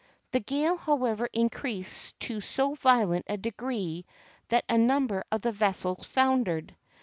The gale, however, increased to so violent a degree that a number of the vessels foundered.